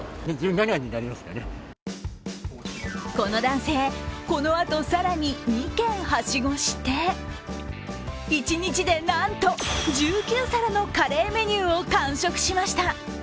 この男性、このあと更に２軒はしごして一日でなんと１９皿のカレーメニューを完食しました。